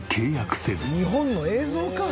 日本の映像か？